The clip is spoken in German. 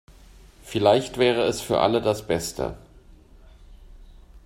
Vielleicht wäre es für alle das Beste.